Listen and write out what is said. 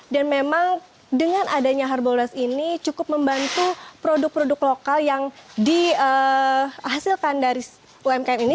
dan memang dengan adanya harbolnas ini cukup membantu produk produk lokal yang dihasilkan dari umkm ini